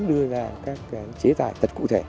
đưa ra các chế tài thật cụ thể